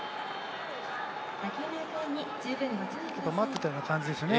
やっぱり待ってたような感じですね。